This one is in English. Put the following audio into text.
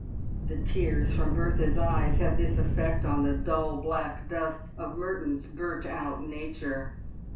The tears from Bertha's eyes had this effect on the dull black dust of Merton's burnt out nature.